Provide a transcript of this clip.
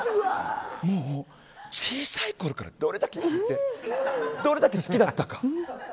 もう小さいころからどれだけ好きだったか。